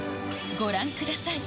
ご覧ください。